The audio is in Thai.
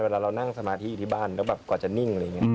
เวลาเรานั่งสมาธิที่บ้านกว่าจะนิ่งอะไรอย่างนี้